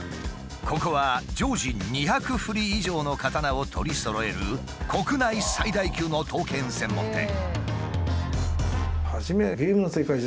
ここは常時２００振り以上の刀を取りそろえる国内最大級の刀剣専門店。